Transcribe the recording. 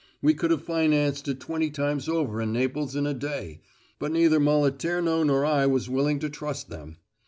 We could have financed it twenty times over in Naples in a day, but neither Moliterno nor I was willing to trust them.